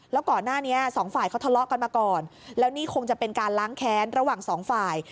แล้วก่อนหน้านี้สองฝ่ายเขาทะเลาะกันมาก่อนแล้วนี่คงจะเป็นการล้างแค้นระหว่างสองฝ่าย